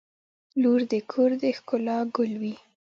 • لور د کور د ښکلا ګل وي.